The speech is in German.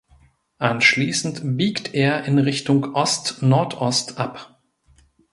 Anschließend biegt er in Richtung Ostnordost ab.